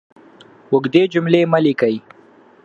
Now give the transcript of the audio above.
اوږدې جملې مه لیکئ!